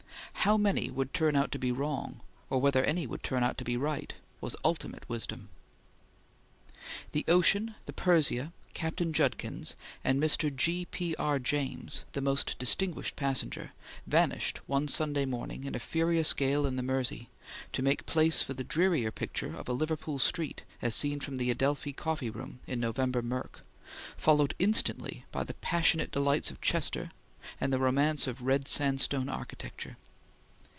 How many would turn out to be wrong whether any could turn out right, was ultimate wisdom. The ocean, the Persia, Captain Judkins, and Mr. G. P. R. James, the most distinguished passenger, vanished one Sunday morning in a furious gale in the Mersey, to make place for the drearier picture of a Liverpool street as seen from the Adelphi coffee room in November murk, followed instantly by the passionate delights of Chester and the romance of red sandstone architecture.